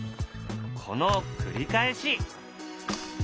この繰り返し。